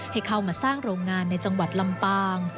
ให้เข้ามาสร้างโรงงานในจังหวัดลำปาง